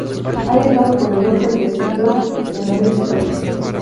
Ha viajado por Europa y residido en Londres y París.